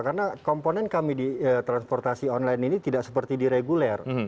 karena komponen kami di transportasi online ini tidak seperti di reguler